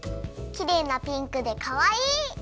きれいなピンクでかわいい！